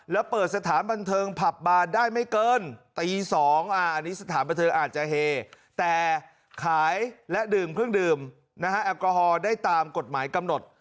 แล้วเปิดสถานบันเทิงผับบานได้ไม่เกินตี๒อันนี้สถานบันเทิงอาจจะเฮแต่ขายและดื่มเครื่องดื่มแอลกอฮอล์ได้ตามกฎหมายกำหนด